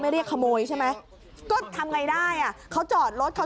เรียกขโมยใช่ไหมก็ทำไงได้อ่ะเขาจอดรถเขา